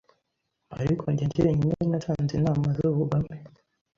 Ariko njye jyenyine natanze inama zubugome